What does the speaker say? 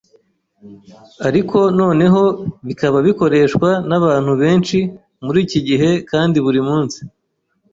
ariko noneho bikaba bikoreshwa n’abantu benshi muri iki gihe kandi buri munsi